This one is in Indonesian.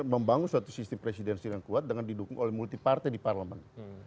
membangun suatu sistem presidensi yang kuat dengan didukung oleh multi partai di parlemen